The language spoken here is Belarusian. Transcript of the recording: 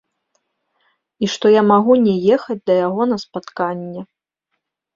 І што я магу не ехаць да яго на спатканне.